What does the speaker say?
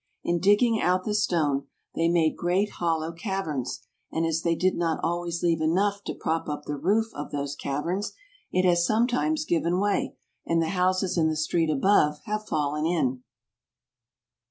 In digging out the stone, they made great hollow caverns, and as they did not always leave enough to prop up the roof of those caverns, it has sometimes given way, and the houses in the street above have fallen in.